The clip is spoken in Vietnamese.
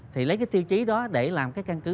thì lấy cái tiêu chí đó để làm cái căn cứ